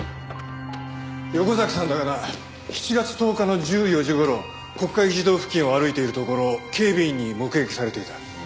横崎さんだがな７月１０日の１４時頃国会議事堂付近を歩いているところを警備員に目撃されていた。